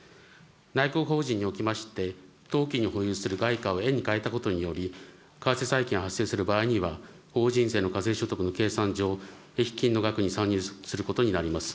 外国法人におきまして、投機に保有する外貨を円に換えたことにより、為替差益が発生する場合には、法人税の課税所得の計算上、益金の額に相当することになります。